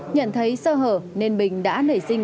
nhận thấy sơ hở bình đã nảy sáng